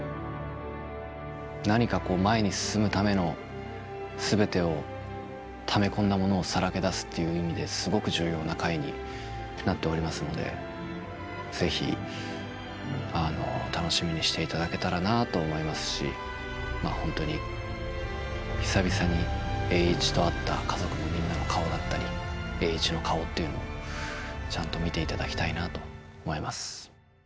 何か、こう前に進むためのすべてをため込んだものをさらけ出すという意味ですごく重要な回になっておりますのでぜひ楽しみにしていただけたらなと思いますし、本当に久々に栄一と会った家族のみんなの顔だったり栄一の顔っていうのを、ちゃんと見ていただきたいなと思います。